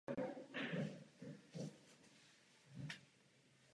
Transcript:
Z toho důvodu jsem hlasoval proti revidované verzi.